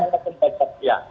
tempat penjemputan iya